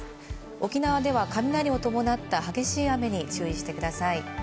沖縄では雷を伴った激しい雨に注意してください。